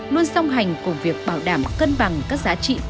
luôn song hành cùng việc bảo đảm cân bằng các giá trị